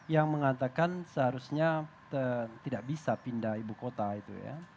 yang mengatakan seharusnya tidak bisa pindah ibu kota itu ya